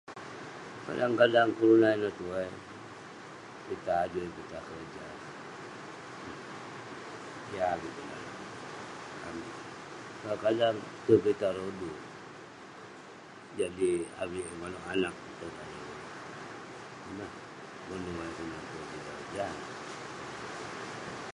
Kadang kadang kelunan ineh tuai, pitah adui pitah keroja. Yah ayuk nah avik. Kadang kadang tuai pitah rodu, jadi avik eh manouk anag tong daleh ulouk. Ineh pengetuai kelunan jin daleh jah.